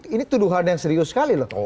ini tuduhan yang serius sekali loh